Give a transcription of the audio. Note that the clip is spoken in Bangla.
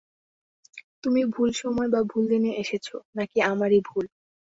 তুমি ভুল সময় বা ভুল দিনে এসেছ, - নাকি আমারই ভুল?